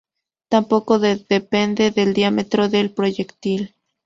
Tampoco de depende del diámetro del proyectil.